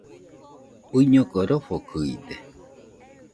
Uiñoko rofokɨide